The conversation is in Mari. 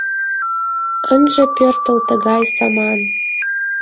Ынже пӧртыл тыгай саман!